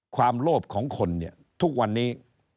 ความโลบของคนทุกวันนี้